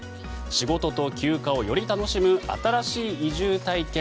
仕事と休暇をより楽しむ新しい移住体験